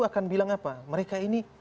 akan bilang apa mereka ini